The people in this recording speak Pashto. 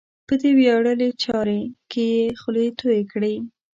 په دې ویاړلې چارې کې یې خولې تویې کړې.